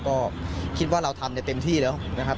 ก็คิดว่าเราทำเต็มที่แล้วนะครับ